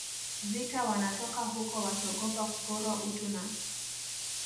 vita wanatoka huko wakiogopa kuporwa utu na